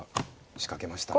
仕掛けましたね。